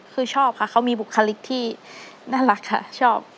คือชอบค่ะเขามีบุคลิกที่น่ารักค่ะชอบ